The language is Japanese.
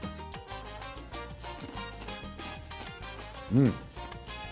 うん。